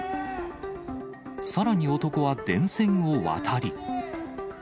さらに男は電線を渡り。